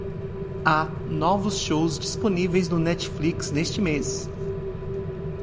Há novos shows disponíveis no Netflix este mês?